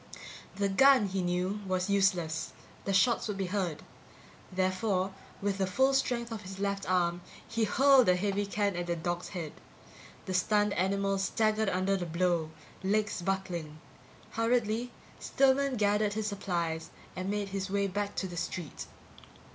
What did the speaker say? The gun, he knew, was useless; the shots would be heard. Therefore, with the full strength of his left arm, he hurled a heavy can at the dog's head. The stunned animal staggered under the blow, legs buckling. Hurriedly, Stillman gathered his supplies and made his way back to the street.